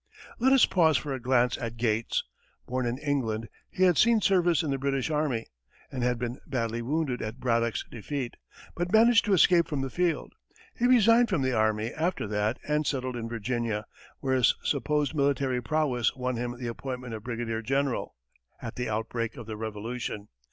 Let us pause for a glance at Gates. Born in England, he had seen service in the British army, and had been badly wounded at Braddock's defeat, but managed to escape from the field. He resigned from the army, after that, and settled in Virginia, where his supposed military prowess won him the appointment of brigadier general at the outbreak of the Revolution.